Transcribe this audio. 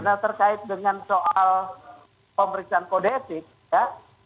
nah terkait dengan soal pemeriksaan kodetik ya